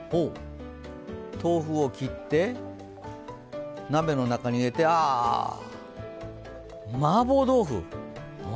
豆腐を切って、鍋の中に入れてああ、麻婆豆腐。